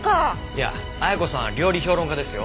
いや綾子さんは料理評論家ですよ？